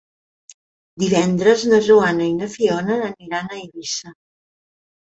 Divendres na Joana i na Fiona aniran a Eivissa.